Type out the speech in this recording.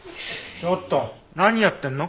ちょっと何やってるの？